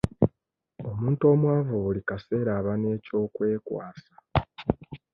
Omuntu omwavu buli kaseera aba n'ekyokwekwasa.